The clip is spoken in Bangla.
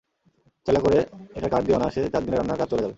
চেলা করে এটার কাঠ দিয়ে অনায়াসে চার দিনের রান্নার কাজ চলে যাবে।